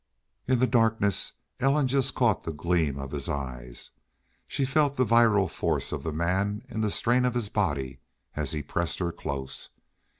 In the darkness Ellen just caught the gleam of his eyes. She felt the virile force of the man in the strain of his body as he pressed her close.